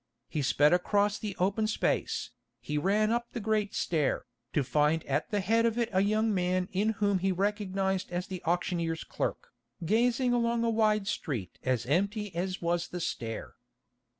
He sped across the open space, he ran up the great stair, to find at the head of it a young man in whom he recognised the auctioneer's clerk, gazing along a wide street as empty as was the stair.